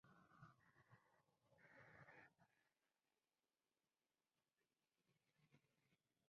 Más tarde estudió arquitectura en la Accademia di Belle Arti.